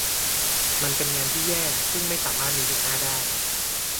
มันเป็นงานที่แย่ ซึ่งไม่สามารถมีหัวหน้าได้